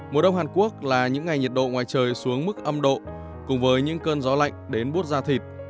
mùa đông hàn quốc là những ngày nhiệt độ ngoài trời xuống mức âm độ cùng với những cơn gió lạnh đến bút da thịt